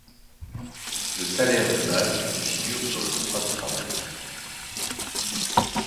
Le salaire de base figure sur le contrat de travail.